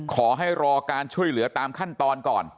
ขอให้รอการช่วยเหลือตามขั้นตอนก่อน